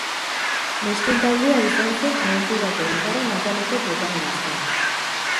Nesken taldea izan zen abenturako bigarren ataleko protagonista.